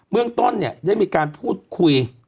เมืองต้นเนี่ยได้มีการพูดคุย